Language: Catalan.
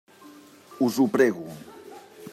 Us ho prego.